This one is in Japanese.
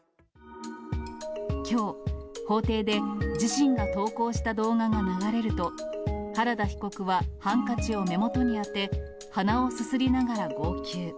きょう、法廷で自身が投稿した動画が流れると、原田被告はハンカチを目元に当て、鼻をすすりながら号泣。